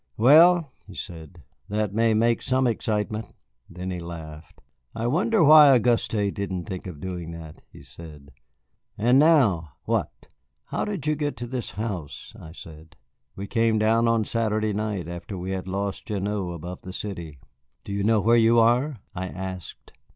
"Well," he said, "that may make some excitement." Then he laughed. "I wonder why Auguste didn't think of doing that," he said. "And now, what?" "How did you get to this house?" I said. "We came down on Saturday night, after we had lost Gignoux above the city." "Do you know where you are?" I asked.